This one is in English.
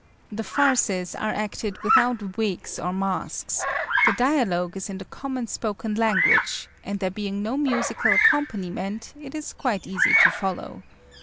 The farces are acted without wigs or masks; the dialogue is in the common spoken language, and there being no musical accompaniment it is quite easy to follow.